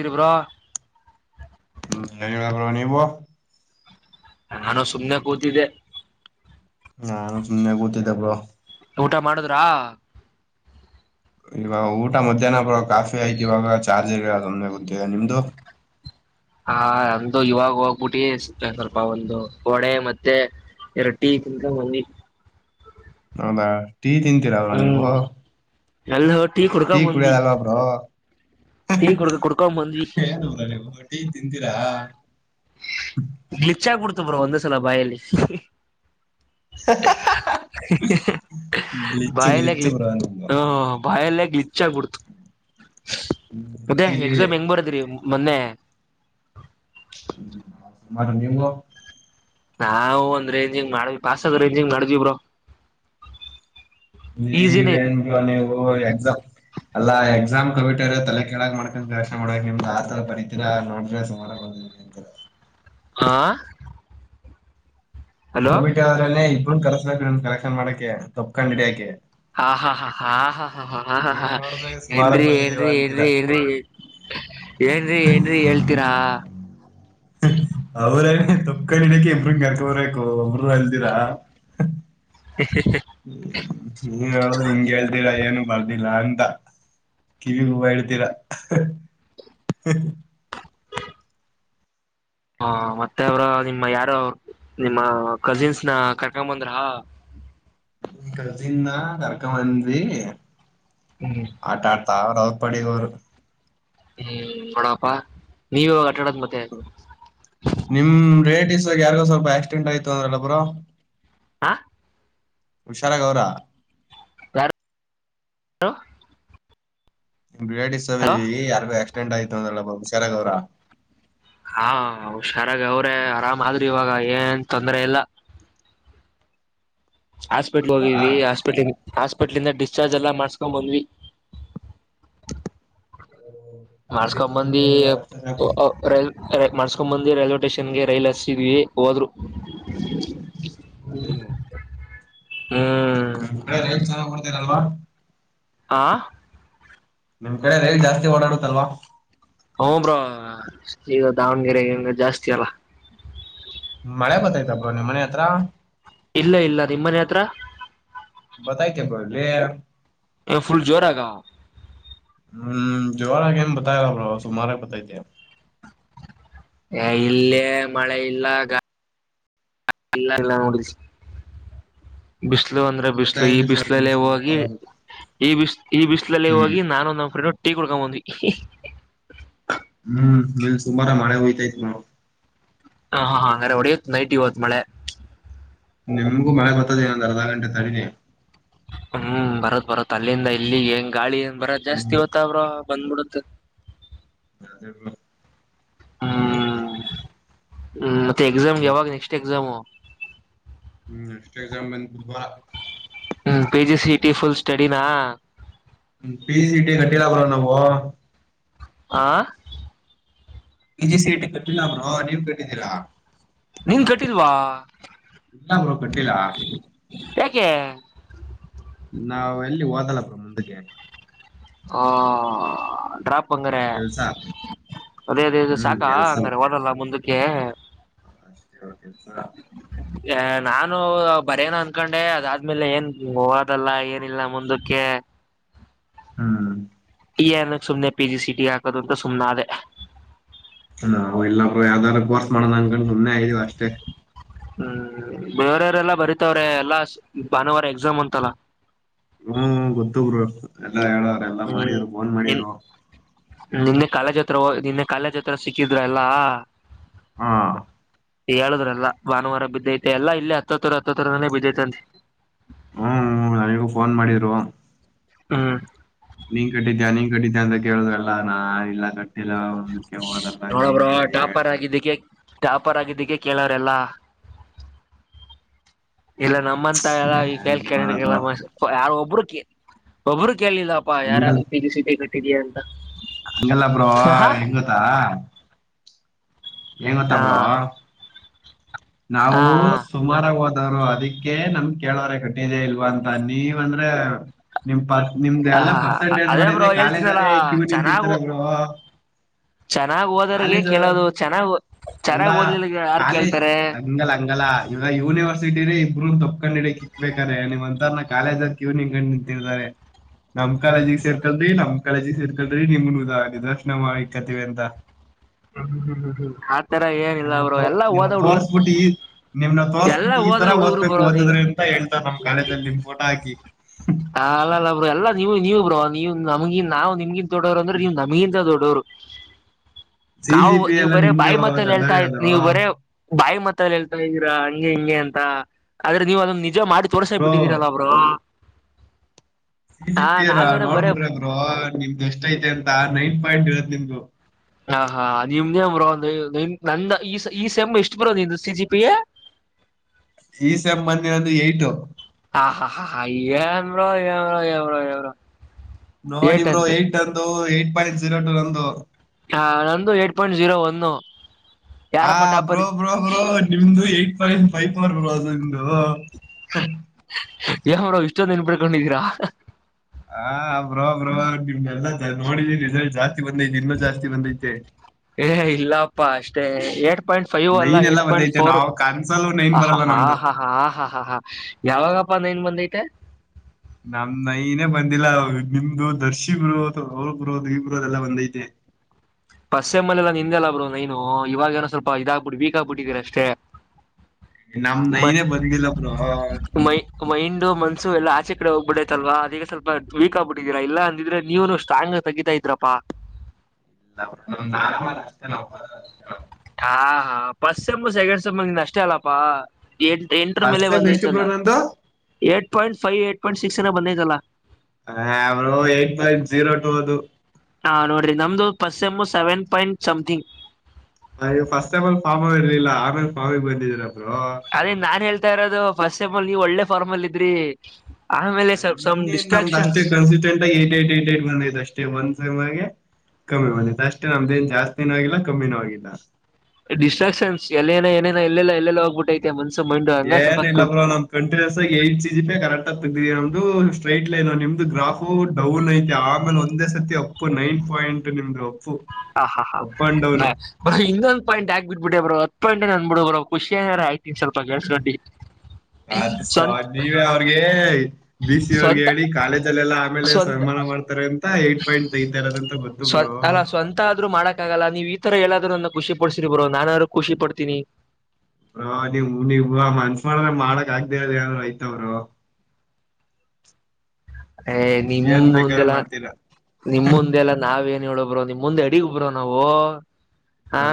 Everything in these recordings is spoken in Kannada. ಇದ ಬಾ ಹ್ಮ ನೀವ ನಾನು ಸುಮನೆ ಕೂತಿದ್ದೆ ನಾನು ಸುಮ್ಮ್ನೆ ಗೊತಿದ್ದ ಬಳ ಊಟ ಮಾಡುದ್ರಾ ಈವ ಊಟ ಮಧ್ಯಾಹ್ನ ಬರ ಕಾಫಿ ಆಯ್ತ ಇವಾಗ ಚಾರ್ಜ್ ಇರದೊಮ್ಮ್ನೆ ಗೊತ್ತಿದೆ ನಿಮ್ದು ಹ ಒಂದು ಇವಾಗ ಹೋಗ್ಬಿಟ್ಟಿ ಸಿ ಸ್ವಲ್ಪ ಒಂದು ಹೊಡೆ ಮತ್ತೆ ಎರೊಟ್ಟಿ ಕಿಂತ ಮ ಅದ ೀ ತನ್ ತಿರರನೆ ಭ ಹಲೋ ಕೊ ಟೀ ಕುಡಿಯಾದಾಗ ಬರೋ ಟೀ ಕೊಡ್ ಕೊಡ್ಕ ಬಂದ್ವಿ ಹ ೇ ತಿಂದೀರಾ ಗ್ಲಿಚ್ ಆಗ್ಬಿಡ್ತ ಬ್ರ ಒಂದ ಸಲ ಬಾಯಲ್ಲಿ ಸತ್ತ ಗ್ಲಿಚ್ಚು ಬಾಯಲ್ಲಯ್ ಗ್ಲಿಚ್ಚು ಬ್ರೋ ನಿಮ್ದು ಹ ಬಾಯಲ್ಲಯಲಿಿಚ್ ಆಗ್ಬಿಡ್ತ ಅದೇ ಎಕ್ಸಾಮ್ ಹೆಂಗ್ ಬರದ್ರಿ ಮೊನ್ನೆ ಮ ನೀವು ನಾವವು ಒಂದ್ ರೇಂಜಿಂಗ್ ಮಾಡ್ವಿ ಪಾಸದ ರೇಂಜಿಂಗ್ ಮಾಡವಿವ್ರೋ ನೀ ವನು ನೀದಮ ಅಲ್ಲಾ ಎಕ್ಸಾಮ್ ಕಂಪಿಟರ್ ತಲೆ ಕೇಳಾ ಮಾಡ್ಕೊಂಡ ಕಷ ಮಾಡಕ್ ನಿಮ್ದ್ ಆ ತರ ಪರಿತೀರಾ ನೋಡ್ರೆ ಹ ಆಾಂ ಹಲೋ ದ್ರೇ ಇಬ್ಬನ್ ಕರ್ಸ್ಬೇಕು ನ ಕಲೆಕ್ಷನ್ ಮಾಡಕೆ ತೊಕೊಂಡ್ ಹಡಿಯಾ ಹಾ ಹಾ ಹಾ ಹಾ ಹಾ ನೋಡಿದ್ರೆ ಸುಮಾರಾಗಿ ಏನ್ರೀ ಬಂದಿದೀವ ಏನ್ರೀ ಅಂತೀರಾ ಏನ್ರೀ ಏನ್ರೀ ಏ ಏನ್ರೀ ಏನ್ರೀ ಹೇಳ್ತೀರಾ ಅವ್ರೇನ ತಪ್ಪಕಡಕ ಇ್ರಂಗ ಕರ್ಕೋರ್ಬೇಕು ಒಮರು ಅಲ್ದಿರಾ ಹ ನೀ ಹೇಳದು ಹಿಂಗ ಹೇಳ್ತರ ಏನು ಬರ್ದಿಲ್ಲ ಅಂತ ಕಿವಿ ಹೂವ ಇಡ್ತೀರಾ ಹ ಮತ್ತೆ ಅವ್ರ ನಿಮ್ಮ ಯಾರ ನಿಮ್ಮ ಕಜಿನ್ಸ್ ನ ಕರ್ಕೊಂಡ ಬಂದ್ರ ಕಜೀನ ಕರ್ಕೊಬಂದ್ವಿ ಹ್ಮ್ ಆಟ ಆಡ್ತ ಅವರು ಅವ್ರ ಪಡೆ ಅವರು ಹ್ಮ ನೋಡಪ್ಪ ನೀವ ಇವಾಗ ಆಟಾಡೋದ್ ಮತ್ತೆ ನಿಮ್ ರಿಲೇಟಿವ್ಸ್ ಯಾರಿಗೋ ಸ್ವಲ್ಪ ಎಕ್ಸ್ಟೆಂಡಟ್ ಆಯತು ಅಂದ್ರಲ್ಲ ಬ್ರೋ ಆ ಹುಷಾರ ಗ ಅವರಾ ಯಾರ [inaudible] ನಿಮ್ಮ ರಿಲೇಟಿವ್ಸ್ ನಲ್ಲಿ ಯಾರಿಗೂ ಆಕ್ಸಿಡೆಂಟ್ ಅಂದ್ರಲ್ಲ ಹುಷಾರಾಗ ಅವ್ರ ಹಾ ಹುಷಾರಾಗ ಅವ್ರೇ ಆರಾಮ್ ಆದ್ರಿ ಇವಾಗ ಏನ್ ತೊಂದ್ರ ಇಲ್ಲ ಹಾಸ್ಪಿಟ್ಲ್ ಹೋಗಿದ್ವಿ ಹಾಸ್ಪಿಟ್ಲ್ ಹಾಸ್ಪಿಟ್ಲ್ ಡಿಸ್ಚಾರ್ಜ್ ಎಲ್ಲ ಮಾಡಸ್ಕೊಂಡ್ ಬಂದ್ವಿ ಹ್ಮ ಮಾಡ್ಸ್ಕೊಂಡ್ ಬಂದ್ವಿ ಮಾಡ್ಸ್ಕೊಂಡ್ ಬಂದ್ವಿ ಮಾಡ್ಸ್ಕೊಂಬಂದಿ ರೈಲ್ವೆ ಸ್ಟೇಷನ್ ರೈಲ್ ಆತ್ರಿಸಿದ್ದೇವೆ ಹೌದೇನು ಹ್ಮ್ ಹ್ಮಡೆ ರೇಟ್ ಚೆನ್ನ್ ಮಾಡ್ತಾರಲ್ವಾ ಆಂ ನಿಮ್ ಕಡೆ ರೈಲ್ ಜಾಸ್ತಿ ಓಡಾಡುತ್ತಲ್ವಾ ಹು ಬ್ರೋ ಈಗ ದಾವಣಗೆರೆಗೆ ಹಂಗ ಜಾಸ್ತಿ ಅಲ್ಲ ಮಳೆ ಬರ್ತಾ ಐತೆ ಬ್ರೋ ನಿಮ್ಮ ಮನೆ ಹತ್ರ ಇಲ್ಲ ಇಲ್ಲ ನಿಮ್ಮನೆ ಹತ್ರ ಬರ್ತೈತೆ ಬ್ರೋ ಇಲ್ಲಿ ಫುಲ್ ಜೋರಗ ಹ್ಮ್ ಜೋರಾಗಿ ಬರ್ತಾ ಇಲ್ಲ ಬ್ರೋ ಸುಮಾರ ಬರ್ತಾ ಇದೆ ಇಲ್ಲೇ ಮಳೆ ಇಲ್ಲ [inaudible] ನೋಡಿದ ಬಿಸಿಲು ಅಂದ್ರೆ ಇಲ್ಲಿ ಬರ್ತಾ ಬಿಸಿಲು ಈ ಇದೆ ಸರ್ ಬಿಸಿಲಲ್ಲ ಸುಮ್ಕ ಹೋಗಿ ಈ ಬಿಸ್ ಈ ಬಿಸ್ಲಲ್ಲಿ ಹ್ಮ್ ಹೋಗಿ ನಾನು ನಮ್ ಫ್ರೆಂಡ್ ಟೀ ಕುಡ್ಕೊಂಡ್ ಬಂದ್ವಿ ಹ್ಮ್ ಇಲಿ ಸುಮಾರ ಮಳೆ ಹೋಯ್ತೈತ್ ನಾವು ಹಾ ಹಂಗ್ರೆ ಹೊಡೆಯತ ನೈಟ್ ಇವತ್ತು ಮಳೆ ನಿಮ್ಗು ಮಳೆ ಬತ್ತತದ ಏನಂದ ಅರ್ಧ ಗಂಟೆ ತಡೆರಿ ಹ್ಮ್ ಬರತ್ ಬರತ್ತತ್ ಅಲ್ಲಿಂದ ಇಲ್ಲಿಗೆ ಹೆಂಗ ಗಾಳಿಏನ್ ಬರ ಜಾಸ್ತಿ ಹ್ಮ್ ಓ್ತ ಅವ ಬಂದ್ಬಿಡುತ್ತ ಅದೇ ಹ್ಮ್ ಮದತ್ತೆ ಹ್ಮ್ ಮತ್ತೆ ಎಕ್ಸಾಮ್ಗೆ ಯಾವಾಗ ನೆಕ್ಸ್ಟ್ ಎಕ್ಸಾಮ ಹ್ಮ್ ಅಷ್ಟೇ ಎಕ್ಸಾಮ್ ಬಂದ [inaudible] ಹ್ಮ್ ಪಿಜಿ ಸಿಟಿ ಫುಲ್ ಸ್ಟಡಿನ ಪಿ ಸಿ ಟಿ ಕಟ್ಟಿಲ ಬ್ರೋ ನಾವು ಆ ಪಿ ಜಿ ಸಿ ಇಟಿ ಕಟ್ಟಿಲ್ಲ ಬ್ರೋ ನೀ ವ್ ಕಟ್ಟಿದ್ದೀರಾ. ನಿನ್ ಕಟ್ಟಿಲ್ವಾ ಇಲ್ಲ ಬ್ರೋ ಕೊಟ್ಟಿಲ್ಲ ಯಾಕೆ. ನಾವ್ ಎಲ್ಲಿ ಓದಲ್ಲ ಬ್ರೊ ಮುಂದುಕೆ. ಹ ಡ್ರಾಪ್ ಅಂದ್ರೆ ಕೆಲ್ಸ ಅದೇ ಇದು ಹ್ಮ್ ಸಾಕಾ ಕೆಲ್ಸ ಹಂಗರೆ ಬ್ರೋ ಓದಲ್ಲ ಮುಂದಕ್ಕೆ. [unintelligible] [unintelligible] ಅ ನಾನು ಬರೆಯನ ಅನ್ಕೊಂಡೆ ಅದಾದ್ಮೇಲೆ ಏನ್ ಹೋದಲ್ಲ ಏನಿಲ್ಲ ಮುಂದಕ್ಕೆ. ಹ್ಮ್ ಏನುಕ್ ಸುಮ್ನೆ ಪಿ ಜಿ ಸಿ ಇಟಿ ಹಾಕೋದ್ ಅಂತ ಸುಮ್ಮನಾದೆ. ನಾವ್ ಇಲ್ಲಪ್ಪ ಯಾವ್ದಾದ್ರು ಕೋರ್ಸ್ ಮಾಡನ ಅನ್ಕಂಡು ಸುಮ್ಮನೆ ಆಗಿದೀವಿ ಅಷ್ಟೇ. ಹ್ಮ್ ಬೇರವ್ರಲ್ಲಾ ಬರೀತವ್ರೆ ಎಲ್ಲಾ ಭಾನುವಾರ ಎಕ್ಸಾಮ್ ಅಂತಲ್ಲ. ಹ್ಮ ಗೊತ್ತು ಬ್ರೊ ಎಲ್ಲಾ ಹೇಳರೆ ಎಲ್ಲಾ ಹ್ಮ್ ಮಾಡಿದ್ರು ಫೋನ್ ನಿನ್ ಮಾಡಿದ್ರು. ನಿನ್ನೆ ಕಲೇಜ್ ಆತ್ರ ಹೊ ನಿನ್ನೆ ಕಾಲೇಜ್ ಸಿಕ್ಕಿದ್ರ ಎಲ್ಲಾ. ಹಾ ಹೇಳುದ್ರಲ್ಲ ಭಾನುವಾರ ಬಿದ್ದೈತೆ ಎಲ್ಲ ಇಲ್ಲಿ ಹತ್ತರ ಹತ್ತತ್ತರನೆ ಬಿದ್ದೈತೆಂತೆ. ಹ್ಮ್ ನನಿಗೂ ಫೋನ್ ಮಾಡಿದ್ರು. ಹ್ಮ ನೀನ್ ಕಟ್ಟಿದ್ಯಾ ನೀನ್ ಕಟ್ಟಿದ್ಯಾ ಅಂತ ಕೇಳಿದ್ರಲ್ಲ ನಾ ಇಲ್ಲ ಕಟ್ಟ ಇಲ್ಲ ಮುಂದುಕೆ ಓದಕೆ ಅಂಗೆ ಇಂಗೆ ಅಂತ [unintelligible] ಟಾಪಾರ್ ಆಗಿದ್ದಕ್ಕೆ ಕೇಳೋರೆಲ್ಲಾ. ಇಲ್ಲ ನಮ್ಮಂತ ಎಲ್ಲ ಈ ಏನ್ ಫೆಲ್ ಮಾಡೋದು ಕ್ಯಾಂಡಿಟೇಟ್ಗೆಲ್ಲಾ ಯಾರ್ ಒಬ್ರು ಕೆ ಒಬ್ರು ಕೇಳಲಿಲ್ಲ. ಪ ಹಂಗಲ್ಲ ಯಾರಾದ್ರೂ ಪಿಜಿ ಸಿಇಟಿ ಕಟ್ಟಿದ್ಯಾಅಂತ. ಹಂಗಲ್ಲ ಬ್ರೋ ಹೆಂಗೊತ್ತಾ. ಎನ್ ಗೊತ್ತ ಹಾ ಬ್ರೊ ಹಾ ನಾವು ಸು ಸುಮಾರಾಗ್ ಹೋದವ್ರು ಅದಕ್ಕೆೇ ನಮ್ ಕೇಳವ್ರ ಕಟ್ಟಿದೆೇ ಇಲ್ವಾ ಅಂತ ನೀವ್ ಅಂದ್ರೆ. ನಿಮ್ ಪರ್ ನಿಮ್ದ ಹಾ ಎಲ್ಲಾ ಹಾ ಹಾ ಪರ್ಸೆಂಟೇಜ್ ಅದೇ ನೋಡೊನೆ ಬ್ರೋ ಕಾಲೇಜ್ ಹೇಳ್ತೀನಲ್ಲ ಅವ್ರೆ ಕಿವ್ ಚೆನ್ನಾಗು ನಿಂತಿರ್ತಾರೆ ಬ್ರೊ. ಚೆನ್ನಾಗ್ ಹೋದರ್ಗೆ ಕೇಳೋದು ಚೆನ್ನಾಗ್ ಅಲ್ಲ ಚೆನ್ನಾಗ್ ಓದ್ಲಿಲ್ಲ ಯಾರ್ ಕಾಲೇಜ್ ಕೇಳ್ತಾರೆ ಹಂಗಲ್ಲ ಹಂಗಲ್ಲ, ಈವಗ ಯೂನಿವರ್ಸಿಟಿೇ ಇಬ್ಬರುೂ ತೊಕೊಂಡ್ ಹಿಡಕ್ ಇಕ್ಬೇಕಾರೆ ನೀವ್ ಅಂತರ ನ ಕಾಲೇಜ ಕಿವ್ ನಿನ್ಕೊಂಡು ನಿಂತಿರ್ತಾರೆ. ನಮ್ ಕಾಲೇಜಿಗ್ ಸೇರ್ಕಲ್ರಿ ನಮಮ್ಮ ಕಾಲೇಜಿಗೆ ಸೇರ್ಕಲ್ರಿ ನಿಮ್ ನಿದರ್ಶನ ಮಾಡಿಕತಿವಿ ಅಂತ. [unintelligible] ಹ್ಮ ನಿ ನಿನ್ನ ತೋರ್ಸ್ಬಿಟ್ಟಿ ನಿಮ್ನ್ನ ಎಲ್ಲಾ ತೋರ್ಸ್ಬಿಟ್ಟಿ ಈ ಓದ ತರ ಹುಡುಗರು ಓದ್ಬೇಕು ಬ್ರೋ ನೀವು ಓದಿದ್ರೆ. ಅಂತ ಹೇಳ್ತಾರೆ ನಮ್ ಕಾಲೇಜ್ ಅಲ್ಲಿ ನಿಮ್ ಫೋಟೋ ಹಾಕಿ. ಹ ಅಲ್ಲ ಅಲ್ಲ ಬ್ರೋ ಎಲ್ಲಾ ನೀವು ನೀವು ಬ್ರೋ ನೀವು ನಮಗಿ ನಾವು ನಿಮಗಿನ್ ದೊಡೋರಂದ್ರೆ ನೀವ್ ನಮಗಿಂತ ದೊಡೋವರು. ಸಿ ನಾವು ಜಿ ಪಿ ನೀವ್ ಎಲ್ಲ ಬರೇ ನಿಮ್ದೇ ಬಾಯ್ ಮತ್ತಲ್ ಹೇಳ್ತಾ ದೊಡ್ಡವ್ರು ನೀವ್ ಬರೇ ಬಾಯ್ ಮಾತಲ್ ಹೇಳ್ತ ಇದ್ದೀರಾ ಹಂಗೆ ಹಿಂಗೆ ಅಂತ ಆದ್ರೆ ನೀವ್ ಅದನ್ನ ನಿಜ ಮಾಡಿ ತೋರ್ಸ ಬ್ರೋ ಬಿಟ್ಟಿದ್ದೀರಲ್ಲ. ಬ್ರೊ ಸಿ ಜಿ ಪಿ ಎರ ನಾವೇನ ಬರೇ ನೋಡ್ಬಿಟ್ರೆ ಬ್ರೊ ನಿಮ್ದ ಎಷ್ಟ ಐತೆ ಅಂತ ನೈನ್ ಪಾಯಿಂಟ್ ಇರದ್ ನಿಮ್ದು. ಹ ಹಾ ನಿಮ್ದೇನ್ ಬ್ರೊ ನಂದ್ ಈ ಸೆಮ್ ಎಷ್ಟು ಬರೋ ನಿಂದ್ ಸಿ ಜಿ ಪಿ ಎ. ಈ ಸೆಮ್ ಬಂದಿರೋದು ಎಂಟು. ಹಾ ಹಾ ಹಾ ಎನ್ ಬ್ರೊ ಎನ್ ಬ್ರೊ ಎನ್ ಬ್ರೊ. ನೋಡಿಬರು ಏಟ್ ಅಂದು ಏಟ್ ಪಾಯಿಂಟ್ ಜೀರೋ ಟು ರಂದು ಹ ನಂದು ಏಟ್ ಪಾಯಿಂಟ್ ಜಝೀರೋ ಒಂದು ಆ ಬ್ರೋ ಬ್ರೋ ಬ್ರೋ ನಿಮ್ದು ಏಟ್ ಪಾಯಿಂಟ್ ಫೈವ್ ಅವರ್ ಬ್ರೋ ಅದು ನಿಮು ಹಾ ಯಾವರಾವ್ ಇಷ್ಟೊಂದು ನೆನ್ಪಿಡ್ಕೊಂಡಿದ್ದೀರಾ ಹಾ ಬ್ರೋ ಬ್ರೋ ನಿಮ್ ಲ್ಲ ನೋಡಿದಿನಿ ರಿಸಲ್ಟ್ ಜಾಸ್ತಿ ಬಂದೈತಿ ಇನ್ನುೂ ಜಾಸ್ತಿ ಬಂದೈತೆ ಏ ಇಲ್ಲಪ್ಪಾ ಅಷ್ಟೇ ಏಟ್ ಪಾಯಿಂಟ್ ಫೈವ್ ಅಲ್ಲ ನೈನ್ ಎಲ್ಲ ಏಟ್ ಪಾಯಿಂಟ್ ಬಂದೈತೆ ಫೋರ್ ನಾವ್ ಕನ್ಸಲ್ಲೂ ನೈನ್ ಹ ಬರಲ್ಲ ಹಾ ನಮ್ದು ಹಾ ಹಾ ಹಾ ಹಾ ಹಾ ಯಾವಾಗಪ್ಪ ಅಂದೇನ್ ಬಂದೈತೆ ನಮ ನನೇ ಬಂದಿಲ್ಲ ನಿಮ್ದು ದರ್ಶಿಗರು ಅವ್ರ ಬುರೋ ಈ ಬರು ಅದೆಲ್ಲ ಬಂದೈತೆ ಪಸ್ಸಮ್ಮಲೆಲ್ಲ ನಿಂದೆಲ್ಲ ಬರು ನೈನು ಇವಾಗ ಏನೋ ಸ್ವಲ್ಪ ಇದಾಗ್ಬಿಟ್ಟ ಬಕ್ಗ್ಬಿಟ್ಟಿದ್ದೀರಿ ಅಷ್ಟೇ ನಮ ಮೈ ನೈನೇ ಬಂದಿಲ್ಲ ಬ್ರ ಮೈ ಮೈಂಡ್ ಮನ್ಸು ಎಲ್ಲ ಆಚೆ ಕಡೆ ಹೋಗ್ಬಿಡೈತಲ್ವಾ ಅದಗ ಸ್ವಲ್ಪ ವೀಕ್ ಆಗ್ಬಿಟ್ಟಿದ್ದೀರಾ ಇಲ್ಲ ಅಂದಿದ್ರೆ ನೀವನು ಅಷ್ಟ ಚಾಂಗ್ ತೆಗಿತಾ ಇದ್ರಪ್ಪಾ [inaudible] ಹಾ ಹಾ ಪಫಸ್ಟ್ ಎಮ್ಮ ಸೆಕೆಂಡ್ ಸಮ್ಮ ನಿಂದ ಅಷ್ಟೇ ಅಲ್ಲಪಾ ಎಂ ಎಂಟ್ರ ಮೇಲೆ ಫಸ್ಟ್ ಸೆಮ್ ಎಷ್ಟು ಬಂದೈತಲ್ಲ ಬ್ರೋ ನಂದು eight point five eight point ಸಿಕ್ಸ್ನ ಬಂದೈತಲ್ಲಾ ಹ ಅವರು ಏಟ್ ಪಾಯಿಂಟ್ ಜೀರೋ ಟೂ ಅದು ಹಾ ನೋಡ್ರಿ ನಮ್ದು ಪಸ್ಸ ಎಮ ಸೆವೆನ್ ಪಾಯಿಂಟ್ ಸಮಥಿಂಗ್ ಈಗ ಫಸ್ಟ್ ಆಫ್ ಆಲ್ ಫಾರ್ಮ್ ಇರ್ಲಿಲ್ಲ ಆಮೇಲೆ ಫಾರಾಮಿಗೆ ಬಂದಿದ್ರೊಬ್ರು ಅದೇನ್ ನಾನ್ ಹೇಳ್ತ ಇರೋದು ಫಸ್ಟ್ಟಮಲ್ ನೀವು ಒಳ್ಳೆ ಫಾರ್ಮ ಅಲ್ ಇದ್ರಿ ಆಮೇಲೆ ಸ್ವಲ್ಪ ಸಮ್ ಇನ್ನೇ ನಮ್ದ ಡಿಸ್ಟ್ರಾಕ್ಷನ್ಸ್ ಅಷ್ಟೇ ಕನ್ಸಿಸ್ಟೆಂಟ್ ಆಗ ಏಟ್ ಏಟ್ ಏ ಟ್ ಬಂದ್ ಅಷ್ಟೇ ಒಂದ್ ಸಮೆ ಕಮ್ಮಿ ಬಂದೆ ಅಷ್ಟೇ ನಮ್ದೇಏನ್ ಜಾಸ್ತಿನೂ ಆಗಿಲ್ಲ ಕಮ್ಮಿನೂ ಆಗಿಲ್ಲ ಡಿಸ್ಟ್ರಾಕ್ಷನ್ಸ್ ಎಲ್ಲೇಏ ಏನೇನ ಇಲ್ಲೆಲ್ಲ ಎಲ್ಲ ಹೋಗಬಿಟ್ಟೈಐತೆ ಮನ್ಸ ಮೈಂಡ್ ಹಂಗ ಏನಿಲ್ಲ ಸ್ವಲ್ಪ ಬ್ರೋ ನಮ್ ಕಂಟಿನ್ಯೂಸ್ ಆಗ eight C G P correct ಆಗಿ ತಗವಿ ನಮ್ದು ಸ್ಟ್ರೈಟ್ ಲೈನ್ ನಿಮ್ದು ಗ್ರಾಫು ಡೌನ್ ಐತೆ ಆಮೇಲೆ ಒಂದು ಒಂದೇ ಸತಿ ಅಪ್ಪು ನೈನ್ ಪಾಯಿಂಟ್ ನಿಮ್ದು ಅಪ್ಪು ಅಪ್ ಅಂಡ್ ಡೌನ್ ಇನ್ನೊಂದು ಪಾಯಂಟ್ ಆಗ್ಬ ಬಿಟ್ಬಿಟ್ಟ ಬರು ಹ ಪಾಯಿಂ ಏಂದನ್ಬಿಬ ಬ ಷಿಯನಾರ ಆಯತಲ್ ಪಗ ಗಡಿ ಸ [unintelligible] ಹಾಗ ಬಿ ಸಿ ಅವರ್ಗೆ ಹೇಳಿ ಕಾಲೇಜಲ್ಲ ಎಲ್ಲ ಆಮೇಲೆ ಸ್ವಂತ ಸನ್ಮಾನ ಮಾಡ್ತಾರೆ ಅಂತ ಏಟ್ ಪಾಯಿಂಟ್ ತೈತರದ ಅಂತ ಬ ಸ್ವ ಅಲ್ಲ ಸ್ವಂತ ಆದ್ರು ಮಾಡಕ್ ಲ್ಲ ನೀವು ಈ ತರ ಎಲ್ಲಾದ್ರೂನ್ನ ಖುಷಿ ಪಡ್ಸಿ ಬೋ ನುಾದು ಖುಷಿ ಪಡ್ತಿನಿ ನೀವು್ ನೀವು ಮನ್ಸ್ರೆ ಮಾಡಕ್ ಆಗ್ದೇಏನಾರರು ಆಐತವ್ರು ನಿಮ ಏನ್ ಬೇಕಾದ್ರೂ ಮುಂದೆಲ್ಲ ಮಾಡ್ತೀರಾ ನಿಮ್ಮ ಮುಂದೆಲ್ಲಾ ನಾವೇಏನ್ ಹೇಳೋಬ್ರೋ ನಿಮ್ಮ ಮುಂದೆ ಅಡಿಗ ಬ್ರೋ ನಾವು ಹಾ ಆ,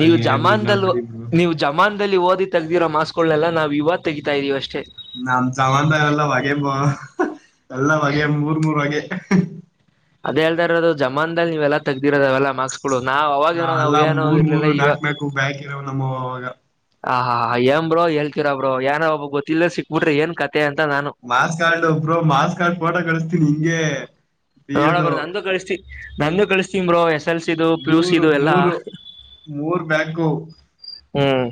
ನೀವು ಏನಿಲ್ಲ ಜಮಾನ್ಲ್ ಬಿಡಿ ಬ್ರೋ ನೀವು ಜಮಾದಲ್ಲಿ ಓದಿ ತೆದಿರೋ ಮಾಸ್ಗಳನ್ನನೆಲ್ಲ ನಾವು ಇವಾಗ ತೆಗಿತಾ ಇದ್ದೀವಿ ಅಷ್ಟೇ ನಮ್ ಚಾಮನ್ ಎಲ್ಲ ಹೊ ಎಲ್ಲ ಹೊ ಮೂರ್ ಮೂರ್ವೆ ಅದೇದದ ಇರೋದು ಜಮಾದಲ್ಲಿ ನೀವೆಲ್ಲ ತೆದಿರದಾವೆಲ್ಲ ಮಾರ್ಕ್ಸ್ ಹಳು ನಾವ್ ಹ ಅವಾಗೇಏನೋ ನಾವು ಎಲ್ಲ ಏನೋ ಮೂರ್ ಇರ್ಲಿಲ್ಲ ಮೂರು ಇವ ನಾಕ್ ನಾಕು ಬ್ಯಾಕ್ ಇರವ್ ನಮ್ಮವ್ ಅವಾಗ ಆ ಹಾ ಎ ಬ್ರೋ ಹೇಳ್ತರ ಬ್ರೋ ಯಏನೋ ಒಬ ಗೊತ್ತಿಲ್ಲ ಸಿಕ್ಬಿಟ್ರಿ ಏನ್ ಕತೆ ಅಂತ ನಾನು ಮಾಸ್ ಕಾರ್ಡ್ ಒಬ್ ರು ಮಾಸ್ ಕಾರ್ಡ್ ಫೋಟೋ ಕಳಿಸ್ತೀನಿ ಹಿಂಗೆ ನೋಡ ಪಿಯುದು ಬರ ನಂದು ಕಳಸ್ತತಿ ನಂದು ಕಳಿಸ್ತೀರೋ ಎಷ್ಟ ಎಸ್ ಎಸ್ ಎಲ್ ಸಿ ಇದು ಪ್ಲೂಸ್ ಮೂರು ಇದು ಎಲ್ಲ ಮೂರು ಮೂರ್ ಬ್ಯಾಕು ಹ್ಮ್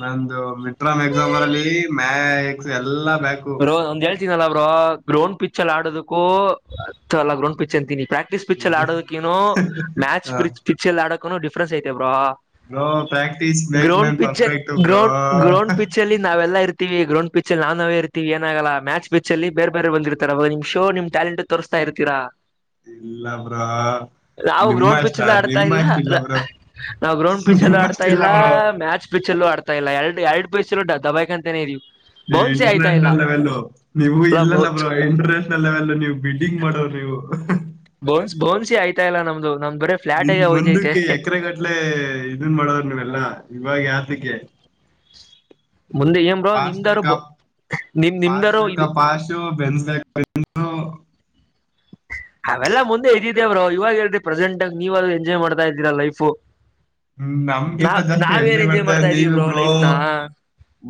ನಂದು ಮಿಟ್ರಾಮ್ ಎಕ್ಸಾಮ್ ಅರಲ್ಲಿ ಮ್ಯಾಕ್ಸ್ ಎಲ್ಲಾ ಬ್ಯಾಕು ಬೋ ಒಂದ್ ಹೇಳ್ತೀನಲ್ಲ ಬ್ರೋ ಗ್ರೌಂಡ್ ಪಿಚ್ಲ್ಲಿ ಆಡದಕ್ಕೂ ಎಲ್ಲ ಗ್ರೌಂಡ್ ಪಿಚ್ ಎಂತೀನಿ ಪ್ರಕ್ ಕ್ಟ ಪಿಚ್ ಆಡೋದಕ್ಕಿನು ಮಚ್ ಹ ಪಿಚ್ ಎಲ್ಲಿ ಆಡೋಕೂ ಡಿಫ್ರೆನ್ಸ್ ಐತೆ ಬ್ರಾ bro practice makes ground man pitcher perfect bro ground ground pitcher ಪಲ್ಲಿ ನಾವಲ್ಲ ಇರ್ತಿವಿ ಗ್ರೌಂಡ್ ಪಿಚ್ಲ್ಲಿ ನಾವ್ ನಾವೇ ಇರ್ತೀವಿ ಇಡ್ತೀವಿ ಏನಾಗಲ್ಲ ಮ್ಯಾಚ್ ಪಿಚ್ಚಲ್ಲಿ ಬೇರೆ ಬೇ ಬಂದಿರ್ತಾರೆವಾಗಮ್ ಶೋಮ್ ಮತ್ತೆ ಟಾಲೆಂಟ್ ತೋರಿಸ್ತಾ ಇದ್ದೀರಾ ಇಲ್ಲ ಬ್ರೋ ನಾವು ಗ್ರೌಂಡ್ ನಿಮ್ಮಷ್ಟ ಪಿಚಲ್ಲಿ ಆಡ್ತಿಲ್ಲ ನಿಮ್ಮಷ್ಟ ಇಲ್ಲ ಬ್ರೋ ನಾವು ಗ್ರೌಂಡ್ ಪಿಚರ್ ಆಡ್ತಾ ನಿಮ್ಮಷ್ಟಿಲ್ಲ ಇಲ್ಲ ಬ್ರೋ ಮ್ಯಾಚ್ ಇಚ್ಚಲಾಡ್ತಾ ಇಲ್ಲ ಎರಡು ಪಿಚಲ್ಲಿ ದಬಕ್ಯಾನ್ತಾಯಿದೀವಿ ನೀವು ಇಂಟರ್ ನ್ಯಾಷನಲ್ ನೀವು ಅಲ್ಲ ಇಲ್ಲ ಬೌನ್ಸ್ ಬ್ರೋ ಇಂಟರ್ನ್ಯಾಷನಲ್ ಲೆವೆಲ್ ನೀವು ಬಿಲ್ಡಿಂಗ್ ಮಾಡೋರು ಬೋನ್ಸ್ ಬನ್ಸ್ ಆಯ್ತಲ್ಲ ನಂದು ನೀವು ಮುಂದಕ್ಕೆ ಎಕರೆಗಟ್ಲೆ ದೆನ್ ಮಾಡರ್ ನೀವೆಲ್ಲ ಇದೆಲ್ಲ ಯಾತಕ್ಕೆ ಮುಂದೆ ಏನ್ ಬ್ರೋ ಪಾಸ್ ನಿಮ್ದಾ ರೂ ಬೇಕಾ ಬೊ ನಿಮ್ಮಿಂದಾರು ಇದು ಇದು ಬೆಂಜ್ ಲೈಫ್ ಇದ್ದಿತು ಅವೆಲ್ಲ ಮುಂದೆ ತಿಂದೆ ಬ್ರೋ ಇವಾಗ್ ಎಲ್ರು ಪ್ರೆಸೆಂಟಾಗಿ ನೀವೆಲ್ಲ ಎಂಜಾಯ್ ಮಾಡ್ತಿದ್ದೀರಾ ಲೈಫು ನಮಗಿಂತ ನಾವ್ ಜಾಸ್ತಿ ನಾವೇನ್ ಎಂಜಾಯ್ ಮಾಡ್ತಾ ಮಾಡ್ತಿರೋದು ಇದೀವಿ ನೀವು ಬ್ರೋ ಲೈಫ್ ನ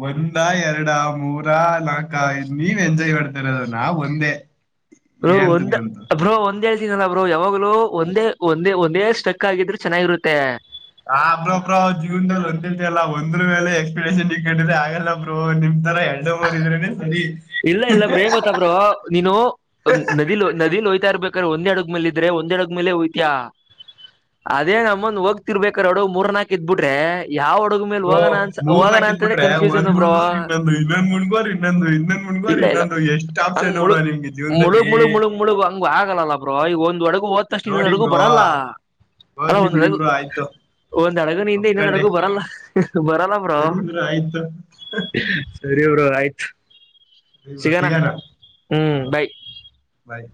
ಒಂದ ಎರಡ ಮೂರ ನಾಲ್ಕ ನೀವ್ ಎಂಜಾಯ್ ಮಾಡುತ್ತಿರೋದು ನಾವು ಒಂದೇ [inaudible] ಬೋ ಏಂತಕ್ ಒಂದು ಬಂತು ಬ್ರೋ ಒಂದ ಹೇಳ್ತಿನಲ್ಲ ಬ್ರೋ ಯಾವಾಗಲೂ ಒಂದೇ ಒಂದೇ ಒಂದೇ ಸ್ಟ್ರಕ್ಆದ್ರೆ ಚೆನ್ನಾಗಿರುತ್ತೆ ಆ ಬ್ರೋ ಬ್ರೋ ಜೀವನದಲ್ಲಿ ಒಂದೇ ಹೆಜ್ಜೆ ಅಲ್ಲ ಒಂದರ ಮೇಲೆ ಎಷ್ಟು ಪ್ರೆಸೆಂಟ್ ಹಿಡ್ಕೊಂಡ್ರೆ ಆಗಲ್ಲ ಬ್ರೋ ನಿಮ್ತರ ಎರಡು ಮೂರ್ ಇದ್ರೇನೆ ಸರಿ ಇಲ್ಲ ಇಲ್ಲ ಬ್ರೋ ಏನ್ ಗೊತ್ತಾ ಬ್ರೋ ನೀವು ನವಿಲ್ ನವಿಲ್ ಹೋಗ್ತಾಯಿರಬೇಕು ಒಂದೇ ಆಡುದ್ಮೇಲೆ ಒಂದೇ ಆಡುದ್ಮೇಲೆ ಹೋಗ್ತೀಯಾ ಅದೇ ನಮ್ಮುನ್ ನೋಡ್ತಿರಬೇಕಾದರೆ ಅಡಗು ಮೂರು ನಾ ಕಿತ್ತು ಬಿಟ್ಟರೆ ಯಾವ ಹಡುದ್ಮೇಲೆ ಬ್ರೋ ಮೂರ್ ಹೋಗೋಣ ನಾಲ್ಕ್ ಅಂತಾನೆ ಇದ್ಬಿಟ್ರೆ ಕನ್ಫ್ಯೂಷನ್ ಒಂದ್ ಬ್ರೋ ಮುಣ್ಗೋರ್ ಇನ್ನೊಂದು ಮುಣ ಬಾರ ಇನ್ನೊಂದು ಇನ್ನೊಂದ ಮುಣ ಬಾರ ಇಲ್ಲ ಇಲ್ಲ ಇನ್ನೊಂದು ಎಷ್ಟ್ ಹಂಗ್ ಆಪ್ಷನ್ ಅವರ ನಿಮ್ಗೆ ಜೀವನದಲ್ಲಿ ಆಗಲ್ಲ ಬ್ರೋ, ಈಗ ಒಂದು ಹಾಡು ಹೋದ್ ತಕ್ಷಣ ಒಂದ್ ನೋಡಿ ಹಡಗು ಬ್ರೋ ಬರಲ್ಲ ಹೋಗ್ಲಿ ಬಿಡು ಗುರು ಆತು ಬ್ಯಾಡಗಿನಿಂದ ಒಂದು ಹಡಗು ಬರಲ್ಲ ಬ್ರೋ ಸರಿ ಆಯ್ತು ಸರಿ ಬ್ರೋ ಆತು ಸರಿ ಬ್ರೋ ಸಿಗನ ಸಿಗೋಣ ಹಾ ಬಾಯ್ ಬಾಯ್